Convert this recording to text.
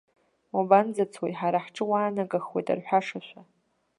Уабанӡацои, ҳара ҳҿы уаанагахуеит рҳәашашәа.